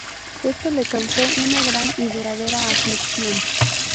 Esto le causó una gran y duradera aflicción.